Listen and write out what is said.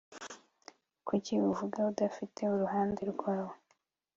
Kuki vuga udafite uruhande rwawe